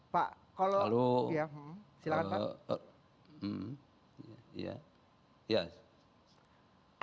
pak kalau ya silahkan pak